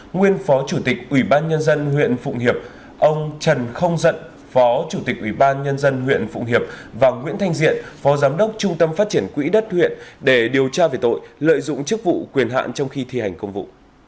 nguyên phó chủ tịch ủy ban nhân dân huyện phụng hiệp ông trần không dận phó chủ tịch ủy ban nhân dân huyện phụng hiệp và nguyễn thanh diện phó giám đốc trung tâm phát triển quỹ đất huyện để điều tra về tội lợi dụng chức vụ quyền hạn trong khi thi hành công vụ